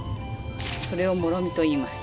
それをもろみといいます。